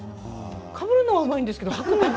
かぶるのはうまいんですけれどもはくのは。